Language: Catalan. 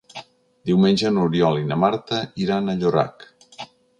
Diumenge n'Oriol i na Marta iran a Llorac.